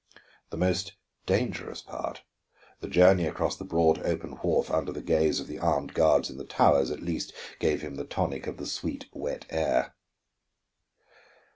The most dangerous part, the journey across the broad, open wharf under the gaze of the armed guards in the towers, at least gave him the tonic of the sweet, wet air.